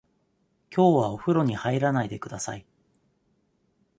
きょうはおふろに入らないでください。